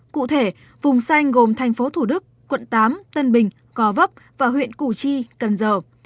cụ thể vùng xanh gồm thành phố thủ đức quận tám tân bình gò vấp và huyện củ chi cần giờ